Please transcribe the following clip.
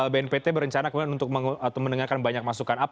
bnpt berencana kemudian untuk mendengarkan banyak masukan